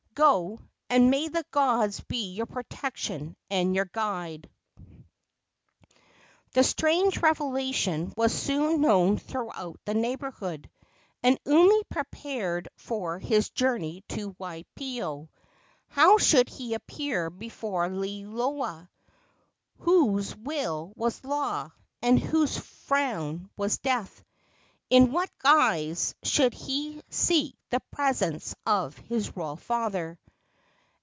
Go, and may the gods be your protection and your guide!" The strange revelation was soon known throughout the neighborhood, and Umi prepared for his journey to Waipio. How should he appear before Liloa, whose will was law and whose frown was death? In what guise should he seek the presence of his royal father?